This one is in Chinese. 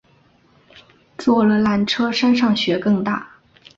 坐了缆车山上雪更大